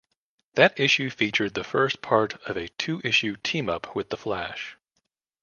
That issue featured the first part of a two-issue team-up with the Flash.